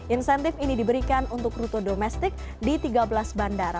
insentif ini diberikan untuk rute domestik di tiga belas bandara